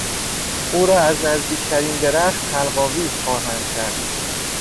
او را از نزدیکترین درخت حلق آویز خواهند کرد.